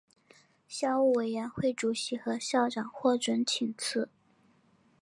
校务委员会主席和校长获准请辞。